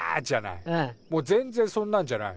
もう全然そんなんじゃない。